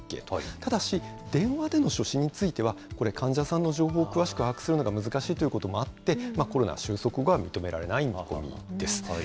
ただし、電話での初診については、これ、患者さんの情報を詳しく把握するのが難しいということもあって、コロナ収束後は認められないということです。